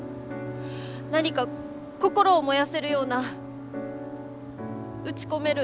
何か心を燃やせるような打ち込める